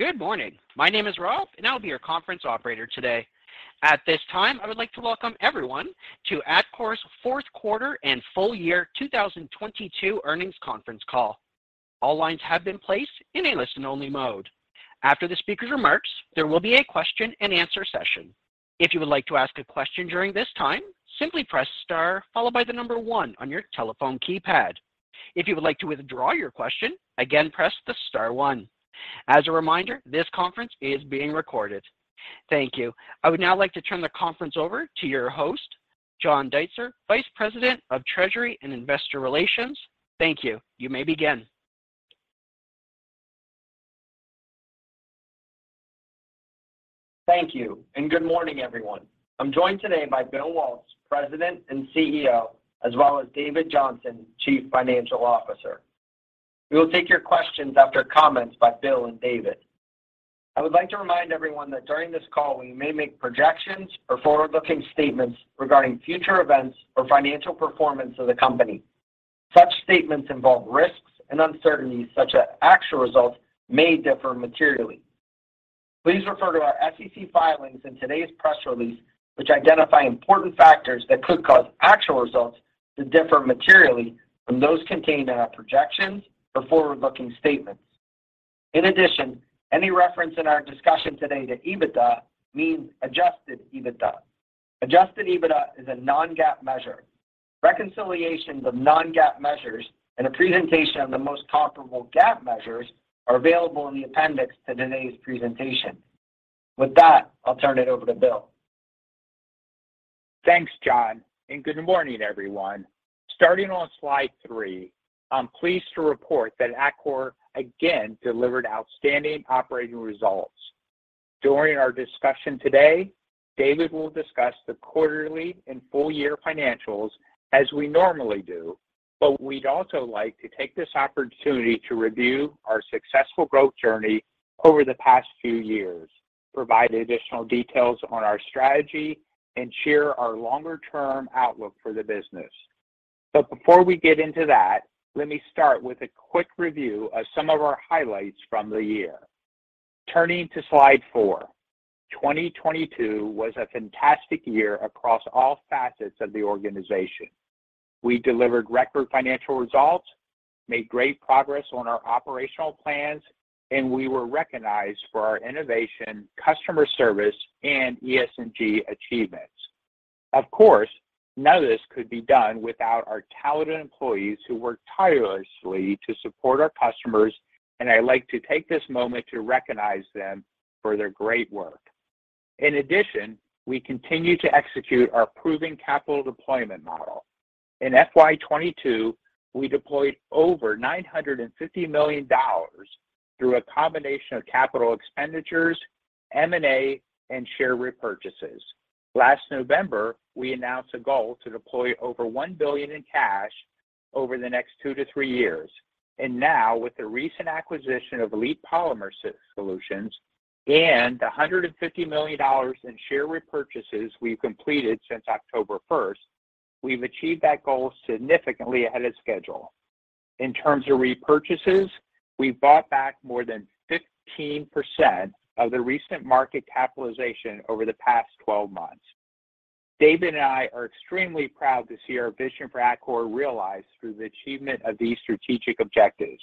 Good morning. My name is Ralph, and I'll be your conference operator today. At this time, I would like to welcome everyone to Atkore's fourth quarter and full year 2022 earnings conference call. All lines have been placed in a listen-only mode. After the speaker's remarks, there will be a question-and-answer session. If you would like to ask a question during this time, simply press star followed by the number one on your telephone keypad. If you would like to withdraw your question, again, press the star one. As a reminder, this conference is being recorded. Thank you. I would now like to turn the conference over to your host, John Deitzer, Vice President of Treasury and Investor Relations. Thank you. You may begin. Thank you, and good morning, everyone. I'm joined today by Bill Waltz, President and CEO, as well as David Johnson, Chief Financial Officer. We will take your questions after comments by Bill and David. I would like to remind everyone that during this call, we may make projections or forward-looking statements regarding future events or financial performance of the company. Such statements involve risks and uncertainties such that actual results may differ materially. Please refer to our SEC filings in today's press release, which identify important factors that could cause actual results to differ materially from those contained in our projections or forward-looking statements. In addition, any reference in our discussion today to EBITDA means adjusted EBITDA. Adjusted EBITDA is a non-GAAP measure. Reconciliations of non-GAAP measures and a presentation of the most comparable GAAP measures are available in the appendix to today's presentation. With that, I'll turn it over to Bill. Thanks, John, and good morning, everyone. Starting on slide three, I'm pleased to report that Atkore again delivered outstanding operating results. During our discussion today, David will discuss the quarterly and full-year financials as we normally do, but we'd also like to take this opportunity to review our successful growth journey over the past few years, provide additional details on our strategy, and share our longer-term outlook for the business. Before we get into that, let me start with a quick review of some of our highlights from the year. Turning to slide four. 2022 was a fantastic year across all facets of the organization. We delivered record financial results, made great progress on our operational plans, and we were recognized for our innovation, customer service, and ESG achievements. Of course, none of this could be done without our talented employees who work tirelessly to support our customers, and I like to take this moment to recognize them for their great work. In addition, we continue to execute our proven capital deployment model. In FY 2022, we deployed over $950 million through a combination of capital expenditures, M&A, and share repurchases. Last November, we announced a goal to deploy over $1 billion in cash over the next 2-3 years. Now, with the recent acquisition of Elite Polymer Solutions and the $150 million in share repurchases we've completed since October first, we've achieved that goal significantly ahead of schedule. In terms of repurchases, we've bought back more than 15% of the recent market capitalization over the past 12 months. David and I are extremely proud to see our vision for Atkore realized through the achievement of these strategic objectives.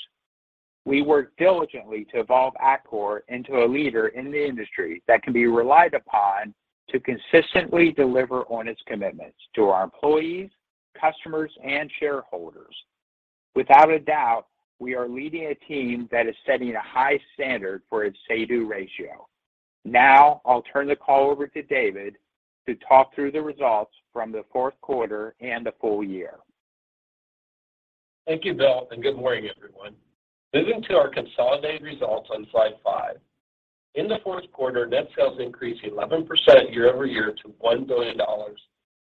We work diligently to evolve Atkore into a leader in the industry that can be relied upon to consistently deliver on its commitments to our employees, customers, and shareholders. Without a doubt, we are leading a team that is setting a high standard for its say-do ratio. Now, I'll turn the call over to David to talk through the results from the fourth quarter and the full year. Thank you, Bill, and good morning, everyone. Moving to our consolidated results on slide 5. In the fourth quarter, net sales increased 11% year-over-year to $1 billion,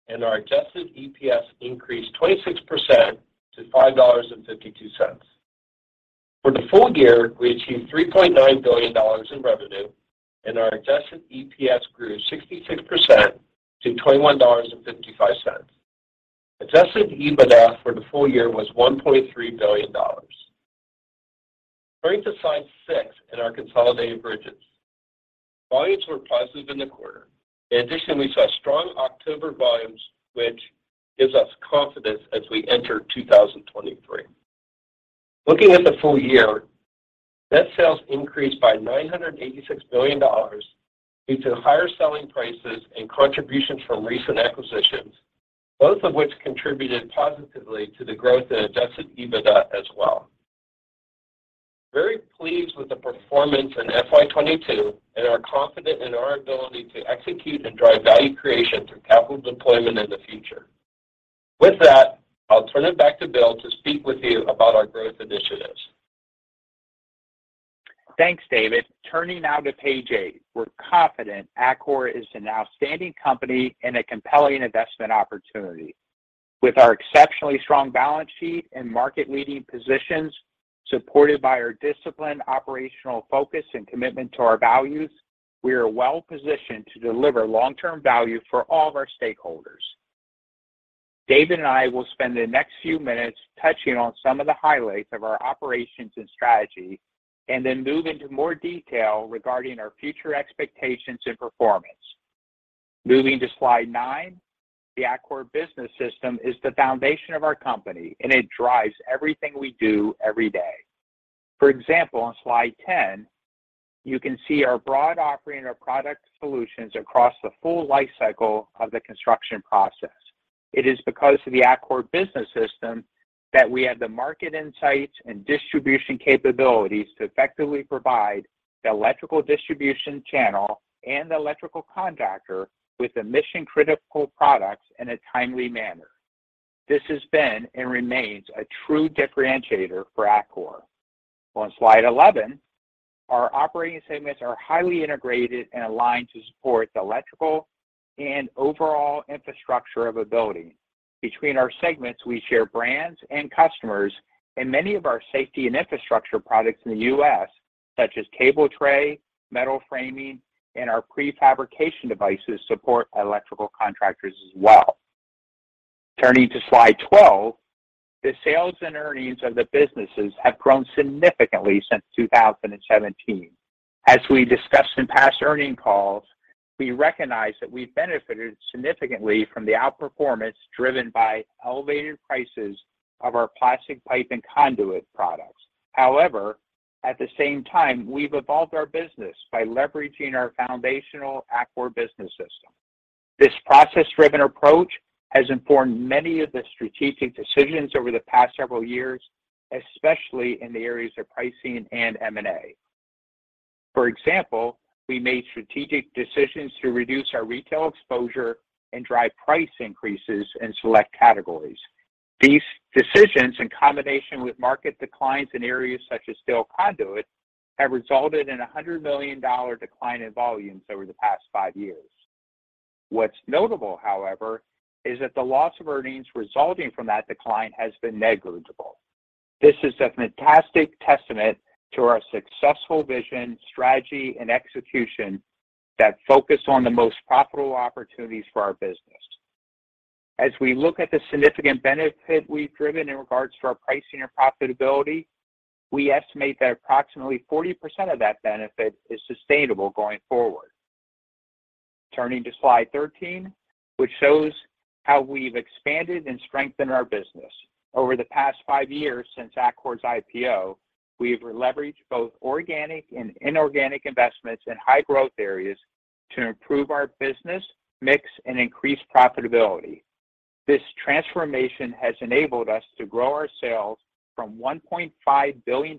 and our adjusted EPS increased 26% to $5.52. For the full year, we achieved $3.9 billion in revenue, and our adjusted EPS grew 66% to $21.55. Adjusted EBITDA for the full year was $1.3 billion. Turning to slide 6 in our consolidated bridges. Volumes were positive in the quarter. In addition, we saw strong October volumes, which gives us confidence as we enter 2023. Looking at the full year, net sales increased by $986 million due to higher selling prices and contributions from recent acquisitions, both of which contributed positively to the growth in adjusted EBITDA as well. Very pleased with the performance in FY 2022 and are confident in our ability to execute and drive value creation through capital deployment in the future. With that, I'll turn it back to Bill to speak with you about our growth initiatives. Thanks, David. Turning now to page eight. We're confident Atkore is an outstanding company and a compelling investment opportunity. With our exceptionally strong balance sheet and market-leading positions, supported by our disciplined operational focus and commitment to our values, we are well-positioned to deliver long-term value for all of our stakeholders. David and I will spend the next few minutes touching on some of the highlights of our operations and strategy, and then move into more detail regarding our future expectations and performance. Moving to slide nine, the Atkore Business System is the foundation of our company, and it drives everything we do every day. For example, on slide 10, you can see our broad offering of product solutions across the full life cycle of the construction process. It is because of the Atkore Business System that we have the market insights and distribution capabilities to effectively provide the electrical distribution channel and the electrical contractor with the mission-critical products in a timely manner. This has been and remains a true differentiator for Atkore. On slide 11, our operating segments are highly integrated and aligned to support the electrical and overall infrastructure of a building. Between our segments, we share brands and customers, and many of our safety and infrastructure products in the U.S., such as cable tray, metal framing, and our prefabrication devices support electrical contractors as well. Turning to slide 12, the sales and earnings of the businesses have grown significantly since 2017. As we discussed in past earning calls, we recognize that we benefited significantly from the outperformance driven by elevated prices of our plastic pipe and conduit products. However, at the same time, we've evolved our business by leveraging our foundational Atkore Business System. This process-driven approach has informed many of the strategic decisions over the past several years, especially in the areas of pricing and M&A. For example, we made strategic decisions to reduce our retail exposure and drive price increases in select categories. These decisions, in combination with market declines in areas such as steel conduit, have resulted in a 100-million-dollar decline in volumes over the past five years. What's notable, however, is that the loss of earnings resulting from that decline has been negligible. This is a fantastic testament to our successful vision, strategy, and execution that focus on the most profitable opportunities for our business. As we look at the significant benefit we've driven in regards to our pricing and profitability, we estimate that approximately 40% of that benefit is sustainable going forward. Turning to slide 13, which shows how we've expanded and strengthened our business. Over the past five years since Atkore's IPO, we've leveraged both organic and inorganic investments in high-growth areas to improve our business mix and increase profitability. This transformation has enabled us to grow our sales from $1.5 billion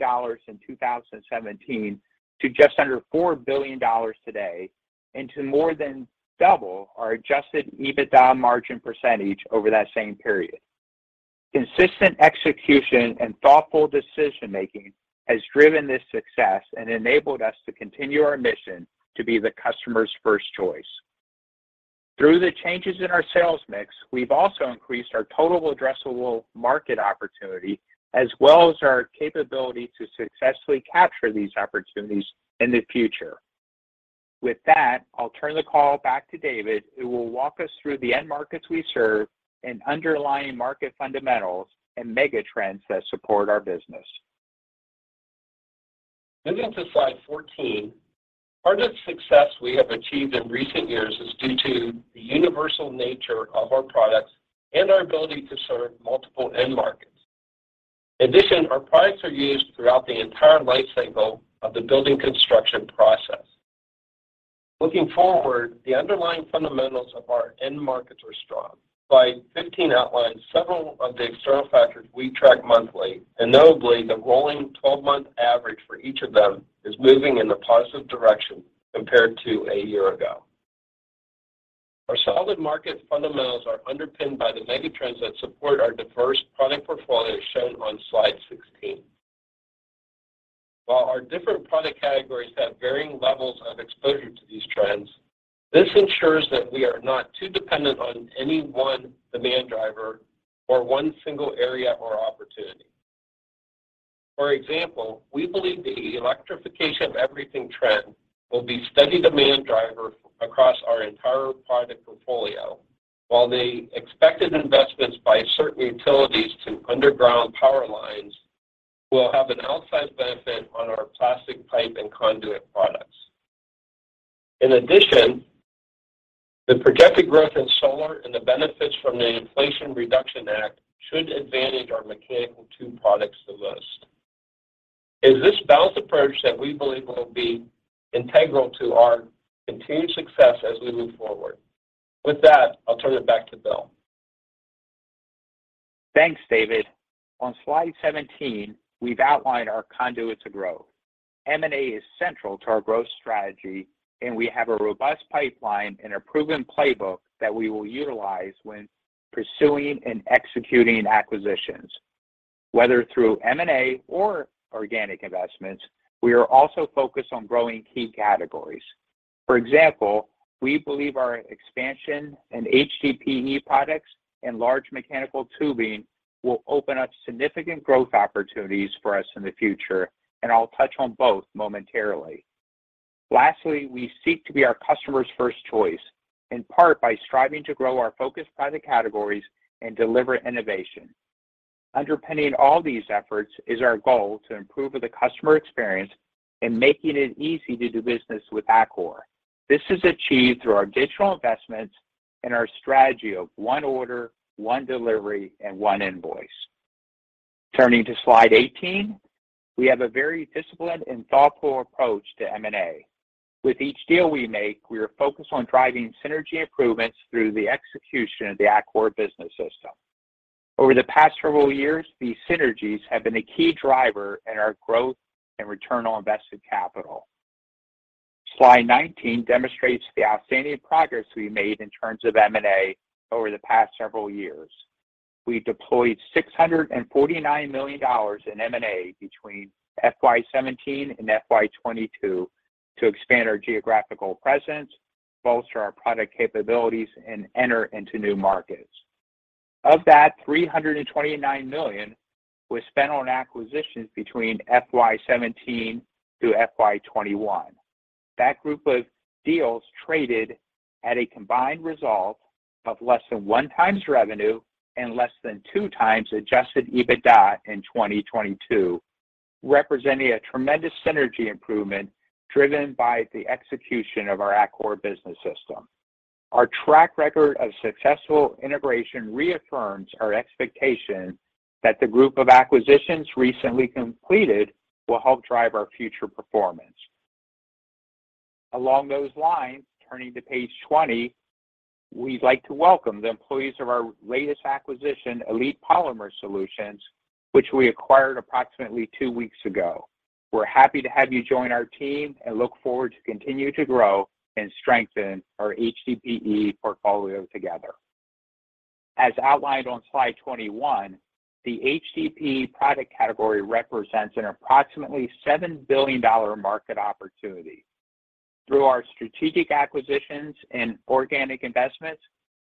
in 2017 to just under $4 billion today and to more than double our adjusted EBITDA margin percentage over that same period. Consistent execution and thoughtful decision-making has driven this success and enabled us to continue our mission to be the customer's first choice. Through the changes in our sales mix, we've also increased our total addressable market opportunity as well as our capability to successfully capture these opportunities in the future. With that, I'll turn the call back to David, who will walk us through the end markets we serve and underlying market fundamentals and megatrends that support our business. Moving to slide 14, part of the success we have achieved in recent years is due to the universal nature of our products and our ability to serve multiple end markets. In addition, our products are used throughout the entire life cycle of the building construction process. Looking forward, the underlying fundamentals of our end markets are strong. Slide 15 outlines several of the external factors we track monthly, and notably, the rolling 12-month average for each of them is moving in a positive direction compared to a year ago. Our solid market fundamentals are underpinned by the megatrends that support our diverse product portfolio shown on slide 16. While our different product categories have varying levels of exposure to these trends, this ensures that we are not too dependent on any one demand driver or one single area or opportunity. For example, we believe the electrification of everything trend will be a steady demand driver across our entire product portfolio, while the expected investments by certain utilities to underground power lines will have an outsized benefit on our Plastic Pipe and Conduit products. In addition, the projected growth in solar and the benefits from the Inflation Reduction Act should advantage our Mechanical Tube products the most. It is this balanced approach that we believe will be integral to our continued success as we move forward. With that, I'll turn it back to Bill. Thanks, David. On slide 17, we've outlined our conduits of growth. M&A is central to our growth strategy, and we have a robust pipeline and a proven playbook that we will utilize when pursuing and executing acquisitions. Whether through M&A or organic investments, we are also focused on growing key categories. For example, we believe our expansion in HDPE products and large mechanical tubing will open up significant growth opportunities for us in the future, and I'll touch on both momentarily. Lastly, we seek to be our customer's first choice, in part by striving to grow our focus by the categories and deliver innovation. Underpinning all these efforts is our goal to improve the customer experience in making it easy to do business with Atkore. This is achieved through our digital investments and our strategy of one order, one delivery, and one invoice. Turning to slide 18, we have a very disciplined and thoughtful approach to M&A. With each deal we make, we are focused on driving synergy improvements through the execution of the Atkore Business System. Over the past several years, these synergies have been a key driver in our growth and return on invested capital. Slide 19 demonstrates the outstanding progress we made in terms of M&A over the past several years. We deployed $649 million in M&A between FY 2017 and F.Y 2022 to expand our geographical presence, bolster our product capabilities, and enter into new markets. Of that, $329 million was spent on acquisitions between FY 2017 through FY 2021. That group of deals traded at a combined result of less than 1x revenue and less than 2x adjusted EBITDA in 2022, representing a tremendous synergy improvement driven by the execution of our Atkore Business System. Our track record of successful integration reaffirms our expectation that the group of acquisitions recently completed will help drive our future performance. Along those lines, turning to page 20, we'd like to welcome the employees of our latest acquisition, Elite Polymer Solutions, which we acquired approximately two weeks ago. We're happy to have you join our team and look forward to continue to grow and strengthen our HDPE portfolio together. As outlined on slide 21, the HDPE product category represents an approximately $7 billion market opportunity. Through our strategic acquisitions and organic investments,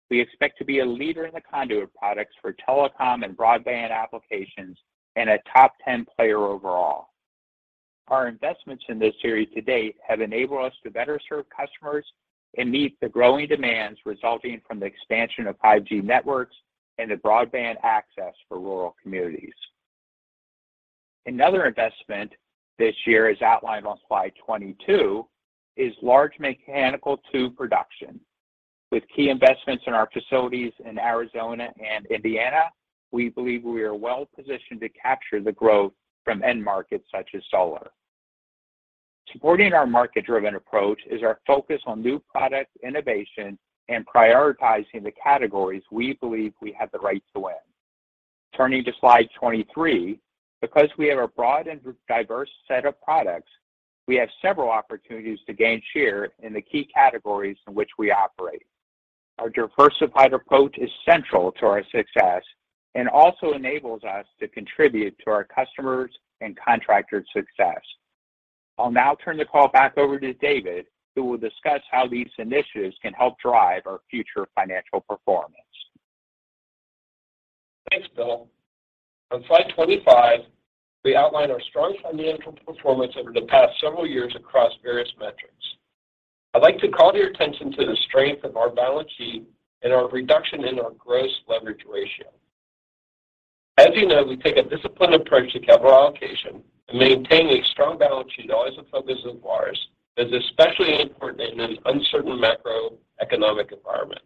we expect to be a leader in the conduit products for telecom and broadband applications, and a top 10 player overall. Our investments in this series to date have enabled us to better serve customers and meet the growing demands resulting from the expansion of 5G networks and the broadband access for rural communities. Another investment this year, outlined on slide 22, is large Mechanical Tube production. With key investments in our facilities in Arizona and Indiana, we believe we are well-positioned to capture the growth from end markets such as solar. Supporting our market-driven approach is our focus on new product innovation and prioritizing the categories we believe we have the right to win. Turning to slide 23, because we have a broad and diverse set of products, we have several opportunities to gain share in the key categories in which we operate. Our diversified approach is central to our success and also enables us to contribute to our customers and contractors' success. I'll now turn the call back over to David, who will discuss how these initiatives can help drive our future financial performance. Thanks, Bill. On slide 25, we outline our strong financial performance over the past several years across various metrics. I'd like to call your attention to the strength of our balance sheet and our reduction in our gross leverage ratio. As you know, we take a disciplined approach to capital allocation and maintaining a strong balance sheet, always a focus of ours, is especially important in an uncertain macroeconomic environment.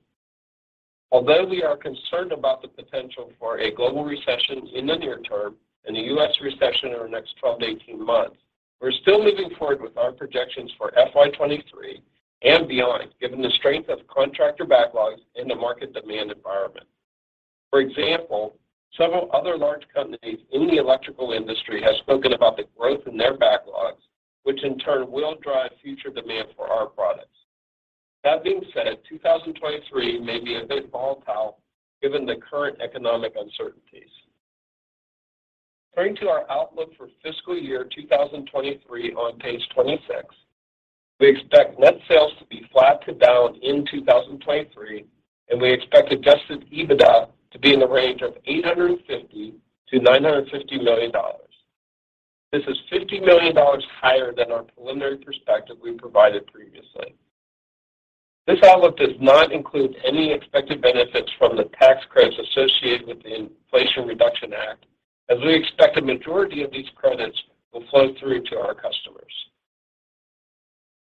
Although we are concerned about the potential for a global recession in the near term and a U.S. recession over the next 12-18 months, we're still moving forward with our projections for FY 2023 and beyond, given the strength of contractor backlogs in the market demand environment. For example, several other large companies in the electrical industry have spoken about the growth in their backlogs, which in turn will drive future demand for our products. That being said, 2023 may be a bit volatile given the current economic uncertainties. Turning to our outlook for fiscal year 2023 on page 26, we expect net sales to be flat to down in 2023, and we expect adjusted EBITDA to be in the range of $850 million-$950 million. This is $50 million higher than our preliminary perspective we provided previously. This outlook does not include any expected benefits from the tax credits associated with the Inflation Reduction Act, as we expect the majority of these credits will flow through to our customers.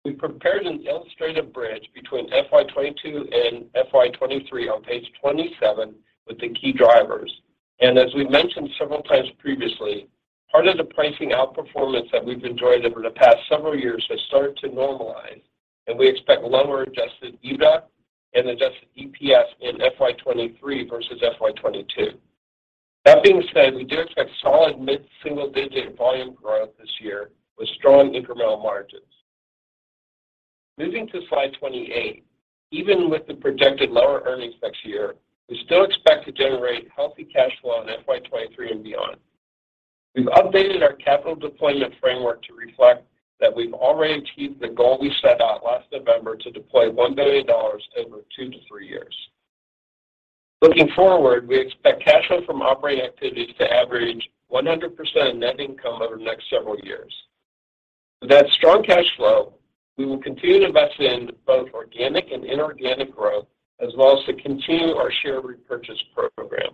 We prepared an illustrative bridge between FY 2022 and FY 2023 on page 27 with the key drivers. As we mentioned several times previously, part of the pricing outperformance that we've enjoyed over the past several years has started to normalize, and we expect lower adjusted EBITDA and adjusted EPS in FY 2023 versus FY 2022. That being said, we do expect solid mid-single-digit volume growth this year with strong incremental margins. Moving to slide 28, even with the projected lower earnings next year, we still expect to generate healthy cash flow in FY 2023 and beyond. We've updated our capital deployment framework to reflect that we've already achieved the goal we set out last November to deploy $1 billion over 2-3 years. Looking forward, we expect cash flow from operating activities to average 100% net income over the next several years. With that strong cash flow, we will continue to invest in both organic and inorganic growth, as well as to continue our share repurchase program.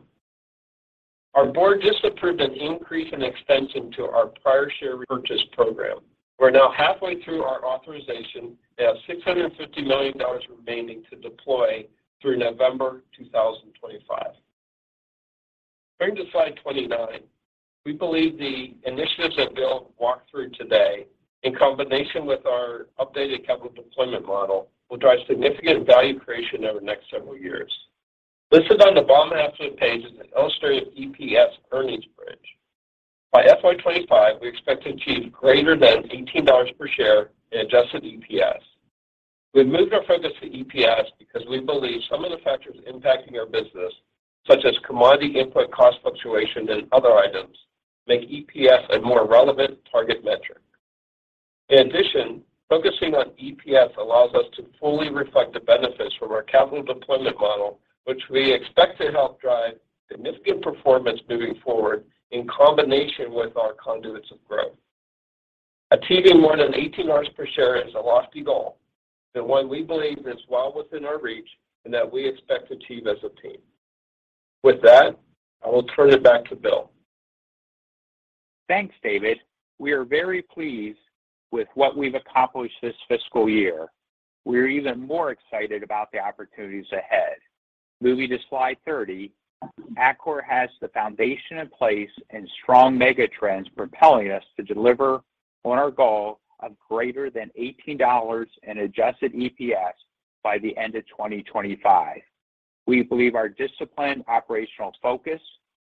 Our board just approved an increase and extension to our prior share repurchase program. We're now halfway through our authorization and have $650 million remaining to deploy through November 2025. Turning to slide 29. We believe the initiatives that Bill walked through today, in combination with our updated capital deployment model, will drive significant value creation over the next several years. Listed on the bottom half of the page is an illustrated EPS earnings bridge. By FY 2025, we expect to achieve greater than $18 per share in adjusted EPS. We've moved our focus to EPS because we believe some of the factors impacting our business, such as commodity input cost fluctuation and other items, make EPS a more relevant target metric. In addition, focusing on EPS allows us to fully reflect the benefits from our capital deployment model, which we expect to help drive significant performance moving forward in combination with our conduits of growth. Achieving more than $18 per share is a lofty goal, but one we believe is well within our reach and that we expect to achieve as a team. With that, I will turn it back to Bill. Thanks, David. We are very pleased with what we've accomplished this fiscal year. We're even more excited about the opportunities ahead. Moving to slide 30, Atkore has the foundation in place and strong megatrends propelling us to deliver on our goal of greater than $18 in adjusted EPS by the end of 2025. We believe our disciplined operational focus,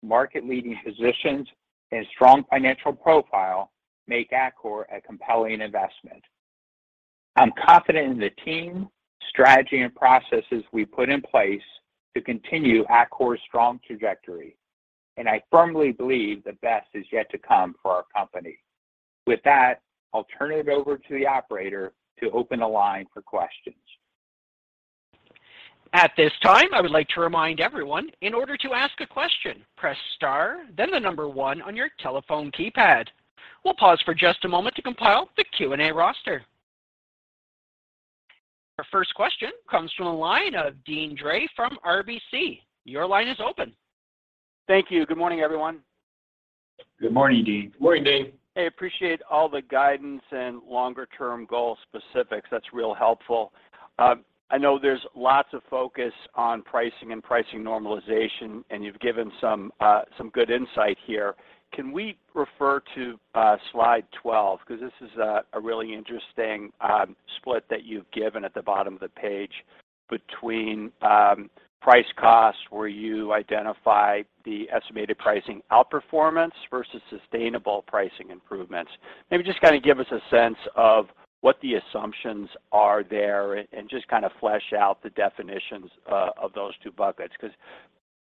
market-leading positions, and strong financial profile make Atkore a compelling investment. I'm confident in the team, strategy, and processes we put in place to continue Atkore's strong trajectory, and I firmly believe the best is yet to come for our company. With that, I'll turn it over to the operator to open the line for questions. At this time, I would like to remind everyone, in order to ask a question, press star, then the number one on your telephone keypad. We'll pause for just a moment to compile the Q&A roster. Our first question comes from the line of Deane Dray from RBC. Your line is open. Thank you. Good morning, everyone. Good morning, Deane. Good morning, Deane. I appreciate all the guidance and longer-term goal specifics. That's real helpful. I know there's lots of focus on pricing and pricing normalization, and you've given some good insight here. Can we refer to slide 12? Because this is a really interesting split that you've given at the bottom of the page between price costs, where you identify the estimated pricing outperformance versus sustainable pricing improvements. Maybe just kind of give us a sense of what the assumptions are there and just kind of flesh out the definitions of those two buckets. Because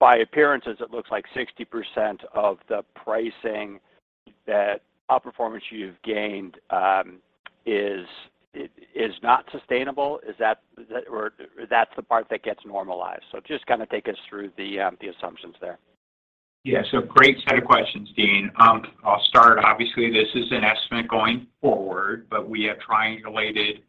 by appearances, it looks like 60% of the pricing outperformance you've gained is not sustainable. That's the part that gets normalized. Just kind of take us through the assumptions there. Yeah. Great set of questions, Deane. I'll start. Obviously, this is an estimate going forward, but we have triangulated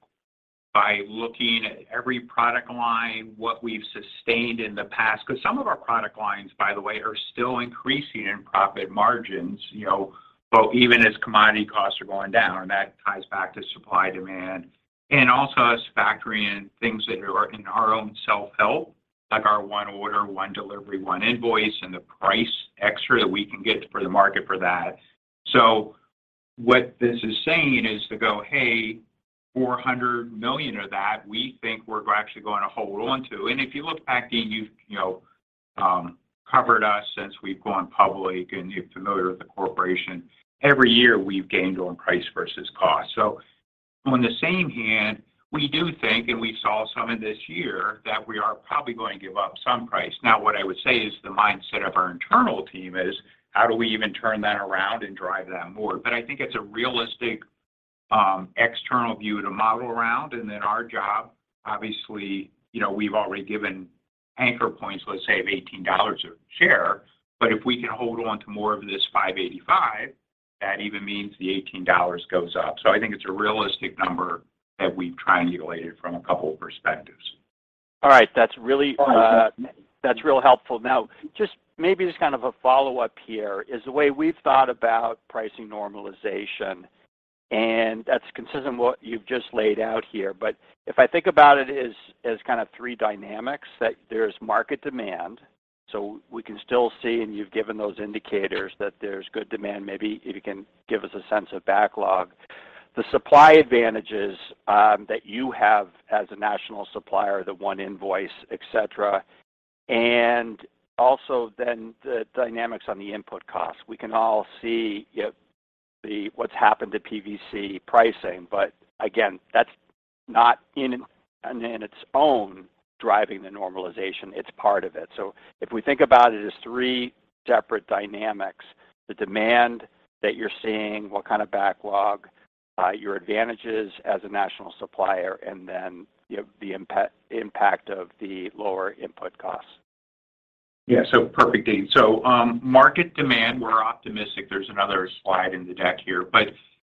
by looking at every product line, what we've sustained in the past. Because some of our product lines, by the way, are still increasing in profit margins, you know, but even as commodity costs are going down, and that ties back to supply-demand. Also us factoring in things that are in our own self-help, like our one order, one delivery, one invoice, and the price extra that we can get for the market for that. What this is saying is to go, "Hey, $400 million of that, we think we're actually going to hold on to." If you look back, Deane, you've, you know, covered us since we've gone public, and you're familiar with the corporation. Every year, we've gained on price versus cost. On the same hand, we do think, and we saw some of this year, that we are probably going to give up some price. Now, what I would say is the mindset of our internal team is, how do we even turn that around and drive that more? I think it's a realistic external view to model around. Our job, obviously, you know, we've already given anchor points, let's say, of $18 a share. If we can hold on to more of this $5.85, that even means the $18 goes up. I think it's a realistic number that we've triangulated from a couple of perspectives. All right. That's real helpful. Now, just maybe just kind of a follow-up here is the way we've thought about pricing normalization, and that's consistent with what you've just laid out here. If I think about it as kind of three dynamics, that there's market demand. We can still see, and you've given those indicators that there's good demand. Maybe if you can give us a sense of backlog. The supply advantages that you have as a national supplier, the one invoice, et cetera. Also the dynamics on the input cost. We can all see what's happened to PVC pricing. Again, that's not in its own driving the normalization. It's part of it. If we think about it as three separate dynamics, the demand that you're seeing, what kind of backlog, your advantages as a national supplier, and then the impact of the lower input costs. Yeah. Perfect, Deane. Market demand, we're optimistic. There's another slide in the deck here.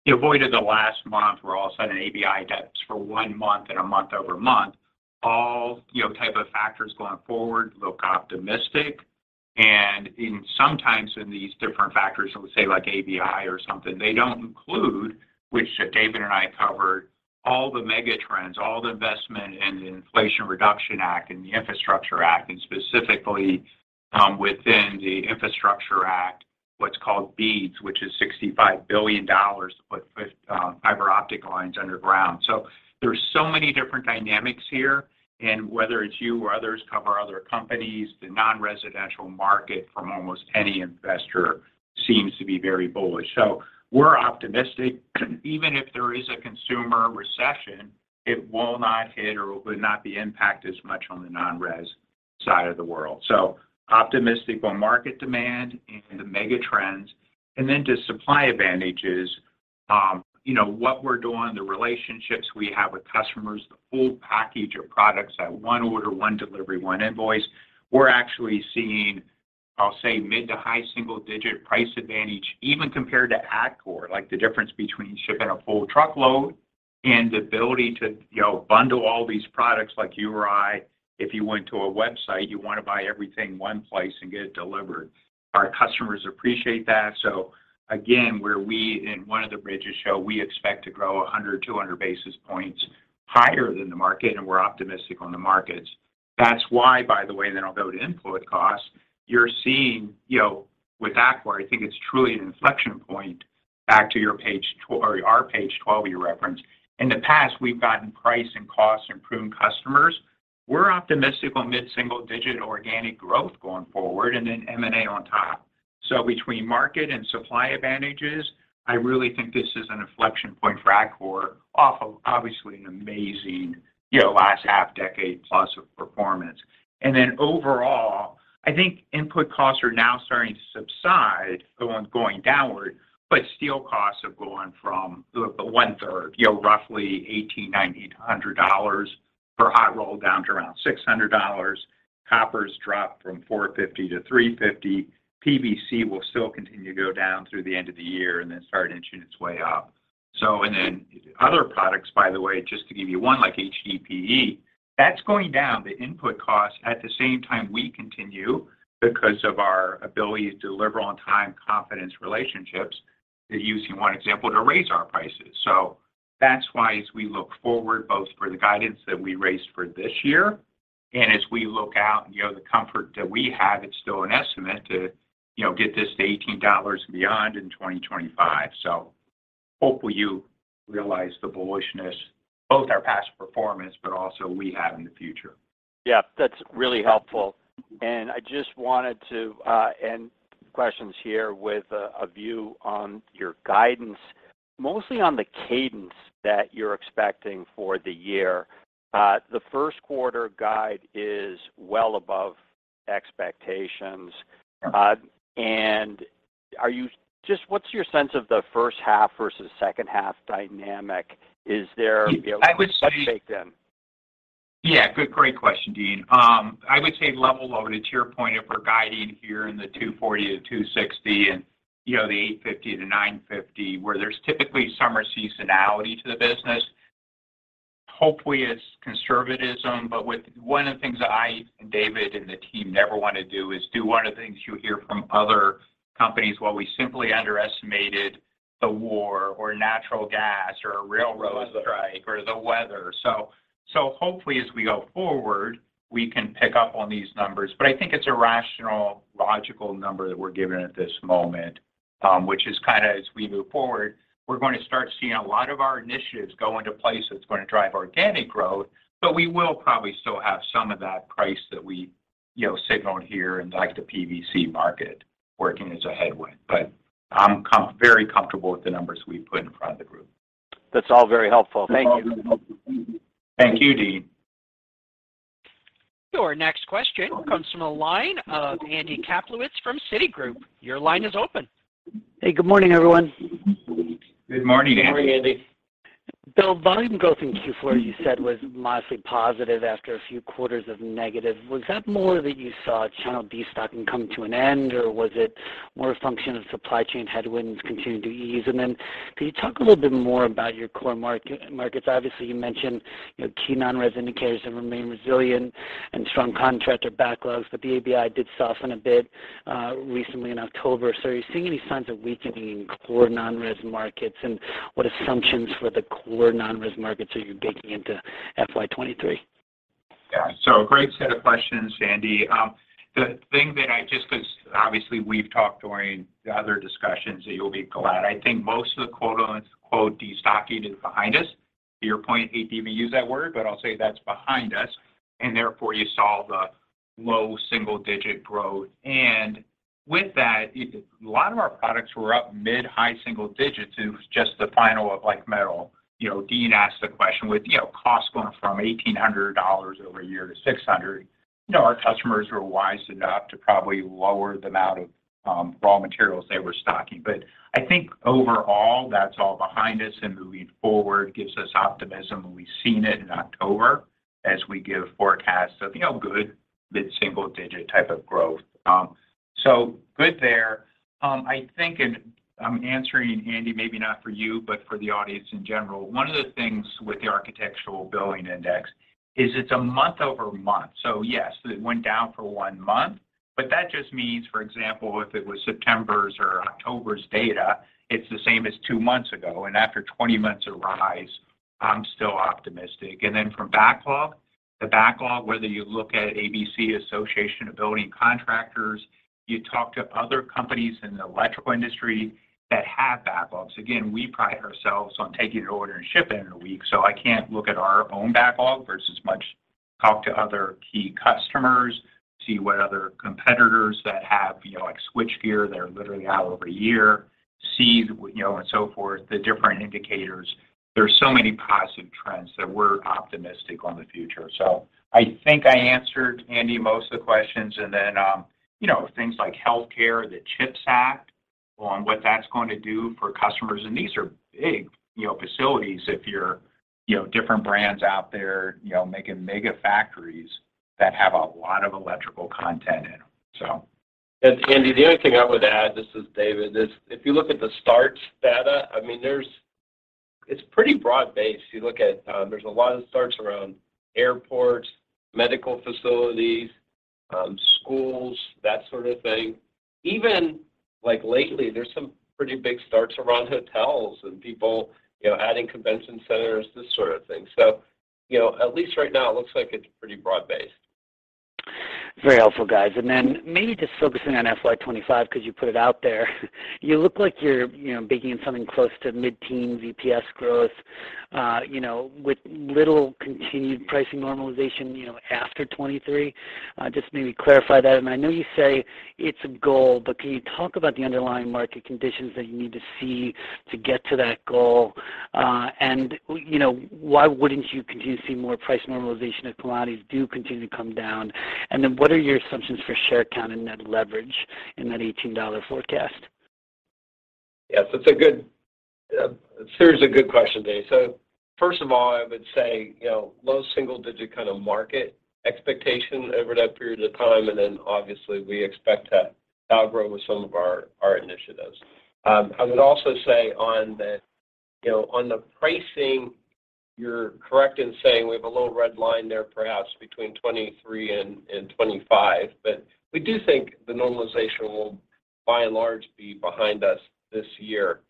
You know, boy, did the last month, where all of a sudden ABI dips for one month in a month-over-month, all, you know, type of factors going forward look optimistic. In sometimes in these different factors, let's say like ABI or something, they don't include, which David and I covered, all the mega trends, all the investment in the Inflation Reduction Act and the Infrastructure Act, and specifically, within the Infrastructure Act, what's called BEAD, which is $65 billion to put fiber optic lines underground. There's so many different dynamics here, and whether it's you or others cover other companies, the non-residential market from almost any investor seems to be very bullish. We're optimistic. Even if there is a consumer recession, it will not hit or would not be impacted as much on the non-res side of the world. Optimistic on market demand and the megatrends. To supply advantages, you know, what we're doing, the relationships we have with customers, the full package of products at 1 order, 1 delivery, 1 invoice, we're actually seeing, I'll say mid- to high-single-digit price advantage even compared to Atkore. Like, the difference between shipping a full truckload and the ability to, you know, bundle all these products like you or I. If you went to a website, you want to buy everything in 1 place and get it delivered. Our customers appreciate that. Again, in one of the bridges show, we expect to grow 100-200 basis points higher than the market, and we're optimistic on the markets. That's why, by the way, then I'll go to input costs. You're seeing, you know, with Atkore, I think it's truly an inflection point back to our page 12 you referenced. In the past, we've gotten price and cost, improving customers. We're optimistic on mid-single-digit organic growth going forward, and then M&A on top. Between market and supply advantages, I really think this is an inflection point for Atkore. Off of obviously an amazing, you know, last half-decade-plus of performance. Overall, I think input costs are now starting to subside, the ones going downward. Steel costs have gone from the 1/3, you know, roughly $1,800-$1,900 per hot roll down to around $600. Copper's dropped from $4.50-$3.50. PVC will still continue to go down through the end of the year and then start inching its way up. Other products, by the way, just to give you one like HDPE, that's going down to input costs. At the same time, we continue because of our ability to deliver on-time confidence relationships, using one example, to raise our prices. That's why as we look forward both for the guidance that we raised for this year and as we look out and, you know, the comfort that we have, it's still an estimate to, you know, get this to $18 and beyond in 2025. Hopefully you realize the bullishness, both our past performance, but also we have in the future. Yeah. That's really helpful. I just wanted to end questions here with a view on your guidance, mostly on the cadence that you're expecting for the year. The first quarter guide is well above expectations. Yeah. Just what's your sense of the first half versus second half dynamic? I would say. A shake then? Yeah. Good, great question, Deane. I would say level loaded, to your point, if we're guiding here in the $240-$260 and, you know, the $850-$950, where there's typically summer seasonality to the business. Hopefully it's conservatism. One of the things that I and David and the team never wanna do is do one of the things you hear from other companies, well, we simply underestimated the war, or natural gas or a railroad strike or the weather. Hopefully as we go forward, we can pick up on these numbers. I think it's a rational, logical number that we're giving at this moment, which is kinda as we move forward, we're gonna start seeing a lot of our initiatives go into place that's gonna drive organic growth, but we will probably still have some of that price that we, you know, signaled here in like the PVC market working as a headwind. I'm very comfortable with the numbers we've put in front of the group. That's all very helpful. Thank you. Thank you, Deane. Our next question comes from a line of Andy Kaplowitz from Citigroup. Your line is open. Hey, good morning, everyone. Good morning, Andy. Good morning, Andy. Bill, volume growth in Q4 you said was mostly positive after a few quarters of negative. Was that more that you saw channel destocking coming to an end, or was it more a function of supply chain headwinds continuing to ease? And then can you talk a little bit more about your core mark- markets? Obviously, you mentioned, you know, key non-res indicators have remained resilient and strong contractor backlogs, but the ABI did soften a bit, uh, recently in October. So are you seeing any signs of weakening in core non-res markets, and what assumptions for the core non-res markets are you baking into FY 2023? Yeah. Great set of questions, Andy. 'Cause obviously we've talked during the other discussions that you'll be glad. I think most of the quote-unquote destocking is behind us. To your point, I hate to even use that word, but I'll say that's behind us, and therefore you saw the low-single-digit growth. With that, a lot of our products were up mid-high-single-digits. It was just the final of like metal. You know, Deane asked the question with, you know, costs going from $1,800 over a year to $600. No, our customers were wise enough to probably lower the amount of raw materials they were stocking. I think overall that's all behind us and moving forward gives us optimism, and we've seen it in October as we give forecasts of, you know, good mid-single-digit type of growth. Good there. I think, and I'm answering, Andy, maybe not for you, but for the audience in general. One of the things with the Architecture Billings Index is it's a month-over-month. Yes, it went down for one month, but that just means, for example, if it was September's or October's data, it's the same as two months ago. After 20 months of rise, I'm still optimistic. From backlog to backlog, whether you look at ABC Associated Builders and Contractors, you talk to other companies in the electrical industry that have backlogs. Again, we pride ourselves on taking an order and shipping it in a week. I can look at our own backlog versus much talk to other key customers, see what other competitors that have, you know, like switchgear, they're literally out over a year. See, you know, and so forth, the different indicators. There are so many positive trends that we're optimistic on the future. I think I answered Andy most of the questions. You know, things like healthcare, the CHIPS Act and what that's going to do for customers, and these are big, you know, facilities if you're, you know, different brands out there, you know, making mega factories that have a lot of electrical content in them. Andy, the only thing I would add, this is David, is if you look at the starts data, I mean it's pretty broad-based. You look at, there's a lot of starts around airports, medical facilities, schools, that sort of thing. Even like lately, there's some pretty big starts around hotels and people, you know, adding convention centers, this sort of thing. You know, at least right now it looks like it's pretty broad-based. Very helpful, guys. Maybe just focusing on FY 2025, because you put it out there, you look like you're, you know, baking in something close to mid-teen EPS growth, you know, with little continued pricing normalization, you know, after 2023. Just maybe clarify that. I know you say it's a goal, but can you talk about the underlying market conditions that you need to see to get to that goal? You know, why wouldn't you continue to see more price normalization if commodities do continue to come down? What are your assumptions for share count and net leverage in that $18 forecast? Yes, sir, it's a good question, Deane. First of all, I would say, you know, low single-digit kind of market expectation over that period of time. Obviously we expect to outgrow with some of our initiatives. I would also say on the, you know, pricing, you're correct in saying we have a little red line there perhaps between 2023 and 2025. We do think the normalization will by and large be behind us this year.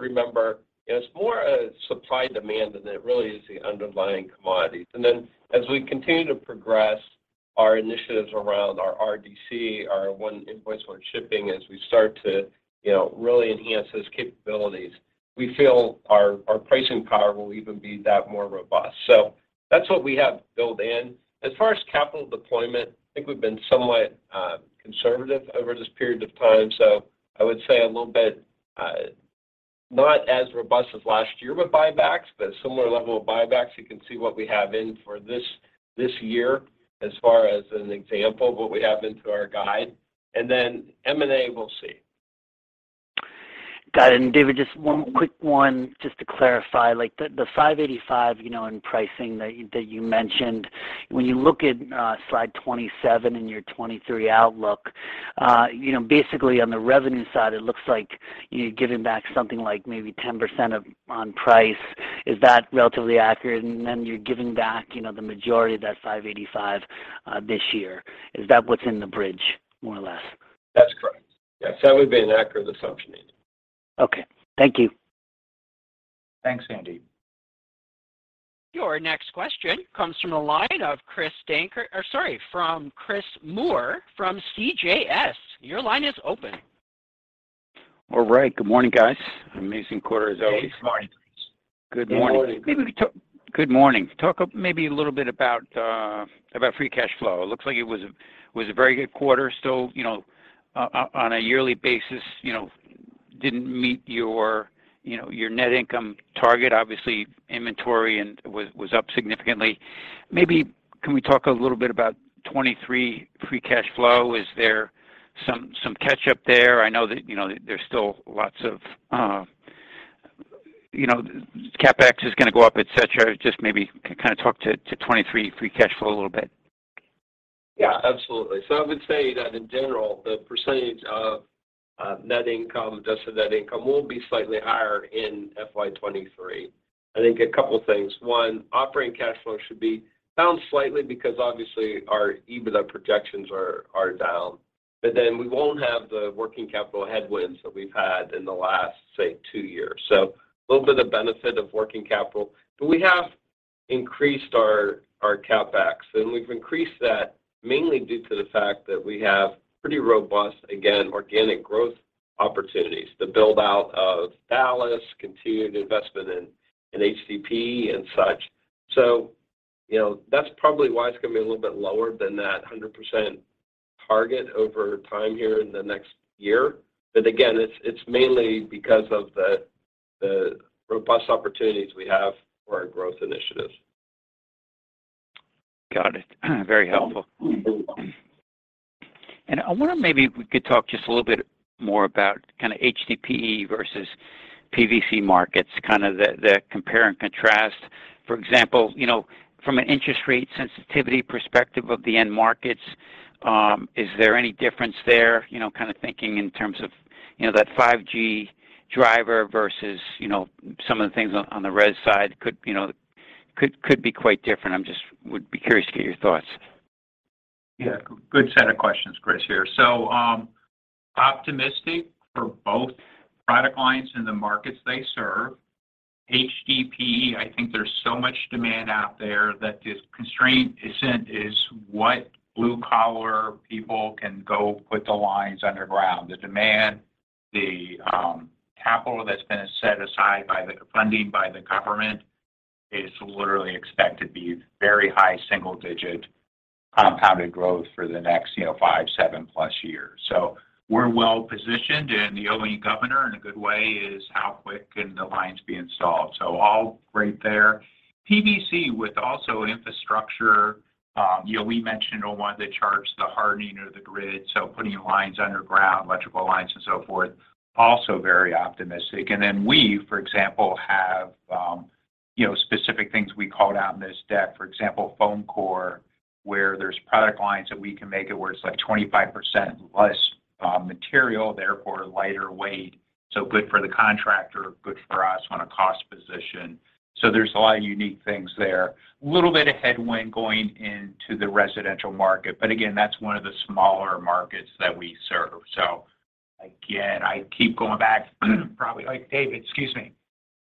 Remember, it's more a supply demand than it really is the underlying commodities. As we continue to progress our initiatives around our RDC, our one invoice, one shipping, as we start to, you know, really enhance those capabilities, we feel our pricing power will even be that more robust. That's what we have built in. As far as capital deployment, I think we've been somewhat, uh, conservative over this period of time. So I would say a little bit, uh, not as robust as last year with buybacks, but similar level of buybacks. You can see what we have in for this year as far as an example of what we have into our guide. And then M&A, we'll see. Got it. David, just one quick one just to clarify, like the $585, you know, in pricing that you mentioned, when you look at slide 27 in your 2023 outlook, you know, basically on the revenue side, it looks like you're giving back something like maybe 10% of on price. Is that relatively accurate? You're giving back, you know, the majority of that $585 this year. Is that what's in the bridge more or less? That's correct. Yes. That would be an accurate assumption, Andy. Okay. Thank you. Thanks, Andy. Your next question comes from the line of Christopher Moore from CJS Securities. Your line is open. All right. Good morning, guys. Amazing quarter as always. Hey, good morning. Good morning. Good morning. Good morning. Talk maybe a little bit about free cash flow. It looks like it was a very good quarter. You know, on a yearly basis, you know, didn't meet you know, your net income target. Obviously, inventory was up significantly. Maybe can we talk a little bit about 2023 free cash flow? Is there some catch up there? I know that, you know, there's still lots of, you know, CapEx is gonna go up, et cetera. Just maybe kind of talk to 2023 free cash flow a little bit. Yeah, absolutely. I would say that in general, the percentage of net income, adjusted net income will be slightly higher in FY 2023. I think a couple things. One, operating cash flow should be down slightly because obviously our EBITDA projections are down. We won't have the working capital headwinds that we've had in the last, say, two years. A little bit of benefit of working capital. We have increased our CapEx, and we've increased that mainly due to the fact that we have pretty robust, again, organic growth opportunities. The build-out of Dallas, continued investment in HDPE and such. You know, that's probably why it's going to be a little bit lower than that 100%. Target over time here in the next year. Again, it's mainly because of the robust opportunities we have for our growth initiatives. Got it. Very helpful. I wonder maybe if we could talk just a little bit more about kind of HDPE versus PVC markets, kind of the compare and contrast. For example, you know, from an interest rate sensitivity perspective of the end markets, is there any difference there? You know, kind of thinking in terms of, you know, that 5G driver versus, you know, some of the things on the res side could, you know, be quite different. Would be curious to get your thoughts. Yeah. Good set of questions, Chris, here. Optimistic for both product lines and the markets they serve. HDPE, I think there's so much demand out there that the constraint is what blue-collar people can go put the lines underground. Capital that's been set aside by the funding by the government is literally expected to be very high single-digit compounded growth for the next, you know, 5-7+ years. We're well-positioned, and the only governor in a good way is how quick can the lines be installed. All great there. PVC with also infrastructure, you know, we mentioned on one of the charts the hardening of the grid, so putting lines underground, electrical lines and so forth, also very optimistic. We, for example, have, you know, specific things we called out in this deck. For example, foam core, where there's product lines that we can make it where it's, like, 25% less material, therefore lighter weight, so good for the contractor, good for us on a cost position. There's a lot of unique things there. Little bit of headwind going into the residential market, but again, that's one of the smaller markets that we serve. Again, I keep going back, probably like David, excuse me,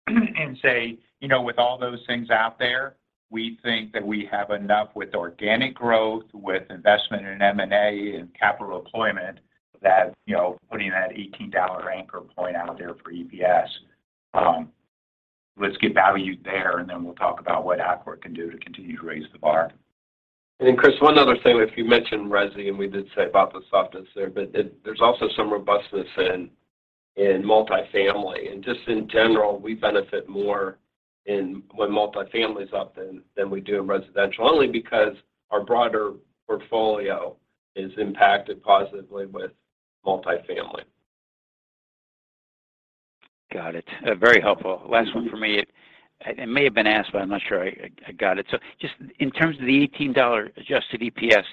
and say, you know, with all those things out there, we think that we have enough with organic growth, with investment in M&A and capital deployment that, you know, putting that $18 anchor point out there for EPS, let's get value there, and then we'll talk about what Atkore can do to continue to raise the bar. Chris, one other thing. You mentioned resi, and we did say about the softness there, but there's also some robustness in multifamily. Just in general, we benefit more when multifamily's up than we do in residential, only because our broader portfolio is impacted positively with multifamily. Got it. Very helpful. Last one for me. It may have been asked, but I'm not sure I got it. Just in terms of the $18 adjusted EPS,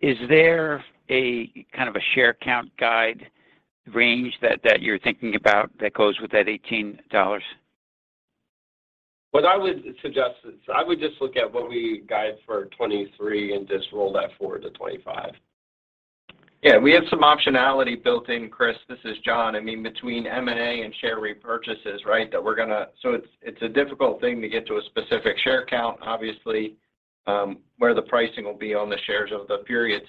is there a kind of a share count guide range that you're thinking about that goes with that $18? What I would suggest is I would just look at what we guide for 2023 and just roll that forward to 2025. Yeah. We have some optionality built in, Chris. This is John. I mean, between M&A and share repurchases, right? It's a difficult thing to get to a specific share count, obviously, where the pricing will be on the shares over the period.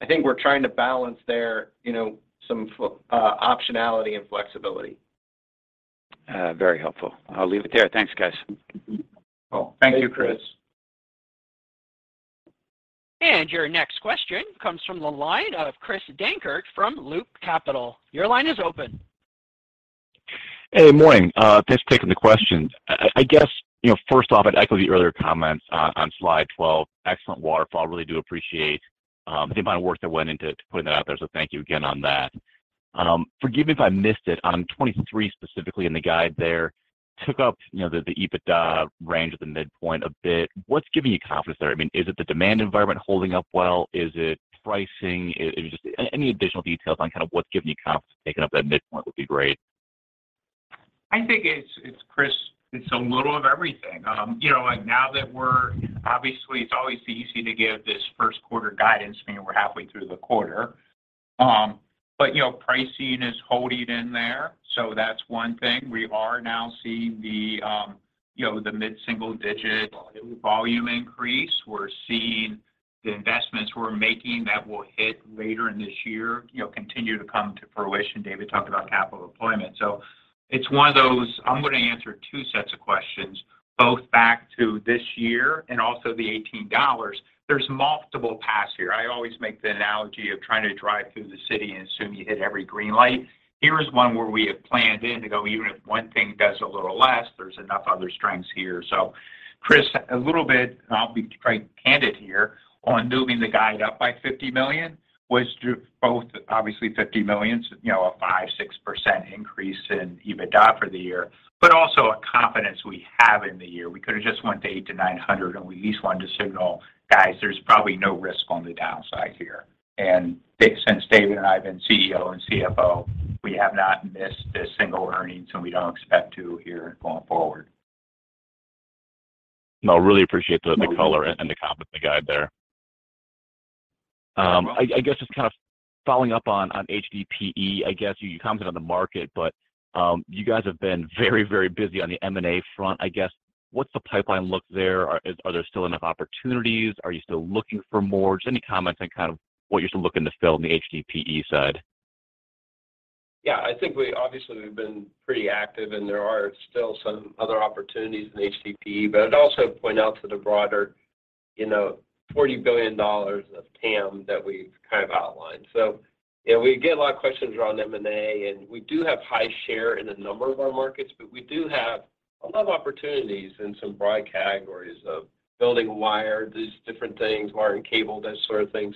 I think we're trying to balance there, you know, some optionality and flexibility. Very helpful. I'll leave it there. Thanks, guys. Cool. Thank you, Chris. Your next question comes from the line of Christopher Dankert from Loop Capital. Your line is open. Hey, morning. Thanks for taking the question. I guess, you know, first off, I'd echo the earlier comments on slide 12. Excellent waterfall. Really do appreciate the amount of work that went into putting that out there. Thank you again on that. Forgive me if I missed it. On 23 specifically in the guide there, took up, you know, the EBITDA range at the midpoint a bit. What's giving you confidence there? I mean, is it the demand environment holding up well? Is it pricing? Any additional details on kind of what's giving you confidence to take it up that midpoint would be great. I think it's, Chris, it's a little of everything. You know, like, obviously, it's always easy to give this first quarter guidance, I mean, we're halfway through the quarter. You know, pricing is holding in there, so that's one thing. We are now seeing the, you know, mid-single-digit volume increase. We're seeing the investments we're making that will hit later in this year, you know, continue to come to fruition. David talked about capital deployment. It's one of those, I'm gonna answer two sets of questions, both back to this year and also the $18. There's multiple paths here. I always make the analogy of trying to drive through the city and assume you hit every green light. Here is one where we have planned in to go even if one thing does a little less, there's enough other strengths here. Chris, a little bit, and I'll be quite candid here, on moving the guide up by $50 million was both obviously $50 million, so you know, a 5%-6% increase in EBITDA for the year, but also a confidence we have in the year. We could've just went to $800-$900, and we at least wanted to signal, guys, there's probably no risk on the downside here. Since David and I have been CEO and CFO, we have not missed a single earnings, and we don't expect to here going forward. No, really appreciate the color and the confidence in the guide there. I guess just kind of following up on HDPE, I guess you commented on the market, but you guys have been very, very busy on the M&A front. I guess, what's the pipeline look there? Are there still enough opportunities? Are you still looking for more? Just any comments on kind of what you're still looking to fill on the HDPE side? Yeah, I think we obviously we've been pretty active, and there are still some other opportunities in HDPE. I'd also point out to the broader, you know, $40 billion of TAM that we've kind of outlined. You know, we get a lot of questions around M&A, and we do have high share in a number of our markets, but we do have a lot of opportunities in some broad categories of building wire, these different things, wire and cable, that sort of thing.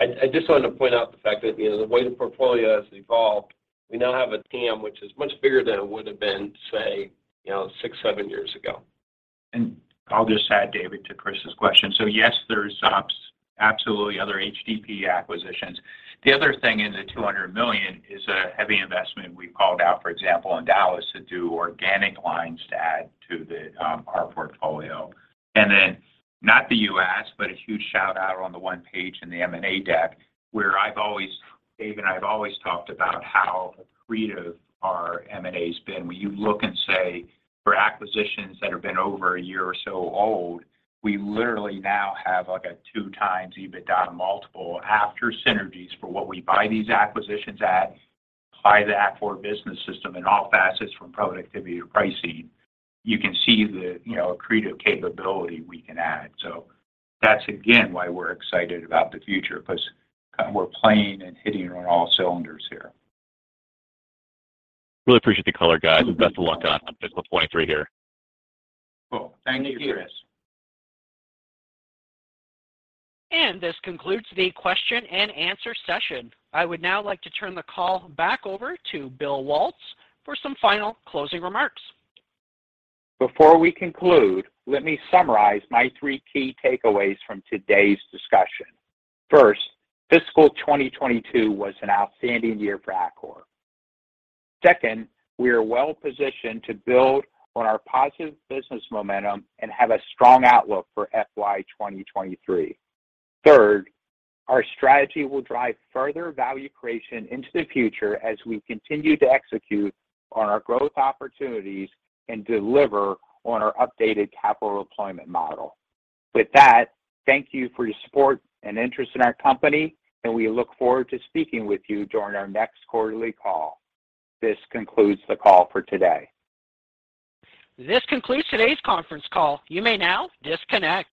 I just wanted to point out the fact that, you know, the way the portfolio has evolved, we now have a TAM, which is much bigger than it would have been, say, you know, six, seven years ago. I'll just add, David, to Chris's question. Yes, there's obviously, absolutely other HDPE acquisitions. The other thing in the $200 million is a heavy investment we called out, for example, in Dallas to do organic lines to add to our portfolio. Not the U.S., but a huge shout-out on the one page in the M&A deck where David and I have always talked about how accretive our M&A has been. When you look and say for acquisitions that have been over a year or so old, we literally now have like a 2x EBITDA multiple after synergies for what we buy these acquisitions at. Apply the Atkore Business System in all facets from productivity to pricing. You can see the, you know, accretive capability we can add. That's again, why we're excited about the future because we're playing and hitting on all cylinders here. Really appreciate the color, guys. Best of luck on fiscal 2023 here. Cool. Thank you, Chris. This concludes the question and answer session. I would now like to turn the call back over to Bill Waltz for some final closing remarks. Before we conclude, let me summarize my three key takeaways from today's discussion. First, fiscal 2022 was an outstanding year for Atkore. Second, we are well-positioned to build on our positive business momentum and have a strong outlook for FY 2023. Third, our strategy will drive further value creation into the future as we continue to execute on our growth opportunities and deliver on our updated capital deployment model. With that, thank you for your support and interest in our company, and we look forward to speaking with you during our next quarterly call. This concludes the call for today. This concludes today's conference call. You may now disconnect.